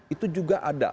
itu juga ada